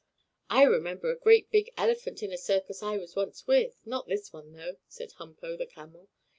"I remember a great big elephant in a circus I was once with not this one, though," said Humpo, the camel.